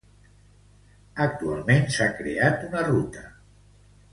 "Actualment, s'ha creat una ruta per conéixer-los"